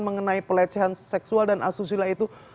mengenai pelecehan seksual dan asusila itu